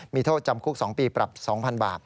มีโทษจำคุก๒ปีปรับ๒๐๐๐บาท